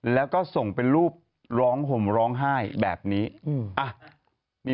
แล้วก็ส่งเป็นรูปร้องห่มร้องไห้แบบนี้